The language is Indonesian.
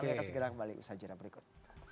kita akan segera kembali ke sajuran berikut